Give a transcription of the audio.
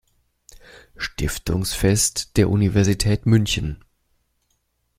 Stiftungsfest der Universität München.